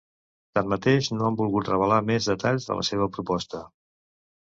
Tanmateix, no han volgut revelar més detalls de la seva proposta.